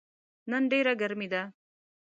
نن ډیره ګرمې ده